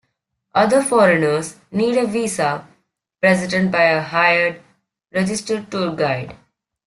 Other foreigners need a visa presented by a hired registered tour guide.